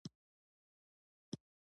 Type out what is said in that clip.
ترموز د کوچنیو محفلونو اړتیا ده.